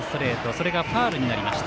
それがファウルになりました。